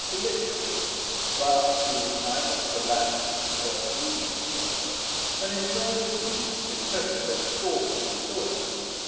] to Litchfield; run up through the time that has elapsed since you first knew Mr Johnson, and enjoy with me his present extraordinary tour.